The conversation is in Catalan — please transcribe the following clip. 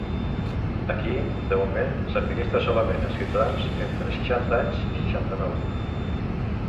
Aquí, de moment, s’administra solament a ciutadans entre seixanta anys i seixanta-nou.